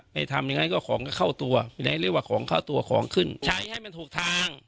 ทำยังไงก็ของก็เข้าตัวไหนเรียกว่าของเข้าตัวของขึ้นใช้ให้มันถูกทาง